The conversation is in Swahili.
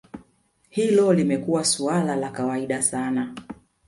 Hilo limekuwa suala la kawaida sana